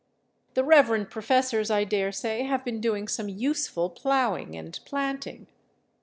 The rev. professors, I daresay, have been doing some useful plowing and planting.